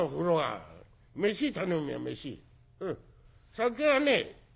酒はね